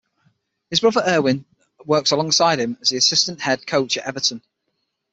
His brother Erwin works alongside him as the assistant head coach at Everton.